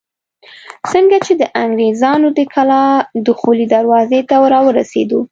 څنګه چې د انګرېزانو د کلا دخولي دروازې ته راورسېدو.